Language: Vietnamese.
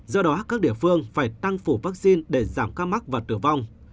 do đó các địa phương phải tăng phủ vaccine để giảm ca mắc và tử vong